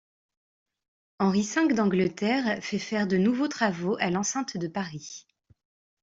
Henri V d'Angleterre fait faire de nouveaux travaux à l'enceinte de Paris.